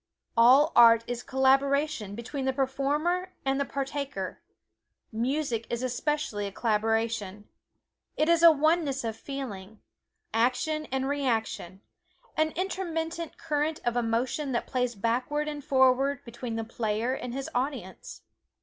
All art is collaboration between the performer and the partaker music is especially a collaboration. It is a oneness of feeling: action and reaction, an intermittent current of emotion that plays backward and forward between the player and his audience.